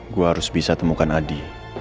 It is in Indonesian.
gue harus bisa temukan adi